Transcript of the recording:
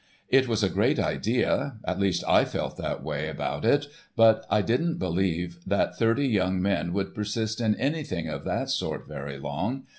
It was a great idea, at least I felt that way about it, but I didn't believe that thirty young men would persist in anything—of that sort very long.